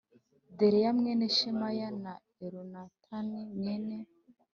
Delaya mwene Shemaya na Elunatani mwene